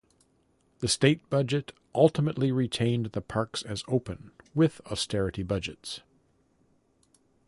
The state budget ultimately retained the parks as open, with austerity budgets.